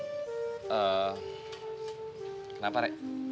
eh kenapa rek